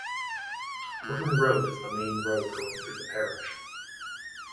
Horton Road is the main road going through the parish.